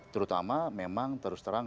terutama memang terus terang